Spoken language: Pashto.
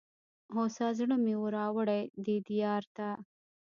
هوسا زړه مي وو را وړﺉ دې دیار ته